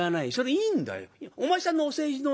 いいんだ。